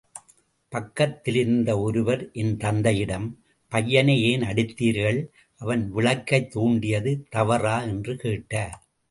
பக்கத்திலிருந்த ஒருவர், என் தந்தையிடம்— பையனை ஏன் அடித்தீர்கள்? அவன் விளக்கைத் தூண்டியது தவறா? என்று கேட்டார்.